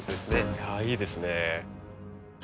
いやあいいですね。